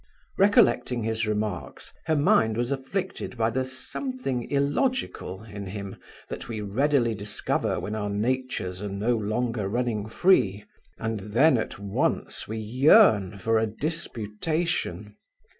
Recollecting his remarks, her mind was afflicted by the "something illogical" in him that we readily discover when our natures are no longer running free, and then at once we yearn for a disputation.